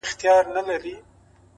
ناکامي د پوهې پټه ښوونکې ده!.